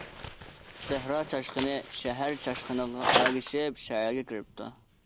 سەھرا چاشقىنى شەھەر چاشقىنىغا ئەگىشىپ شەھەرگە كىرىپتۇ.